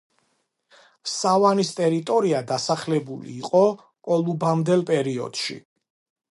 სავანის ტერიტორია დასახლებული იყო კოლუმბამდელ პერიოდში.